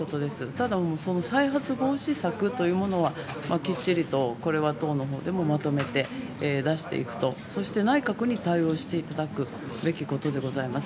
ただ、再発防止策というものはきっちりと党の方でもまとめて出していくと、そして内閣に対応していただくべきことでございます。